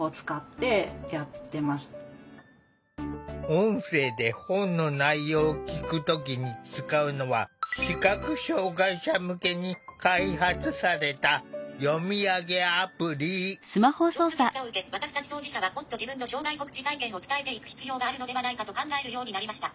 音声で本の内容を聞く時に使うのは視覚障害者向けに開発された「調査結果を受け私たち当事者はもっと自分の障害告知体験を伝えていく必要があるのではないかと考えるようになりました」。